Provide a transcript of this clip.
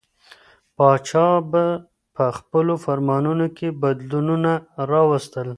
پاچا به په خپلو فرمانونو کې بدلونونه راوستل.